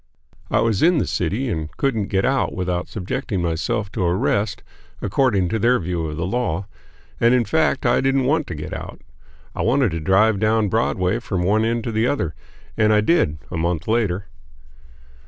I was in the city and couldn't get out without subjecting myself to arrest, according to their view of the law; and in fact I didn't want to get out. I wanted to drive down Broadway from one end to the other, and I did, a month later.